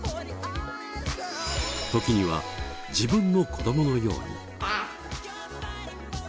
時には自分の子どものように。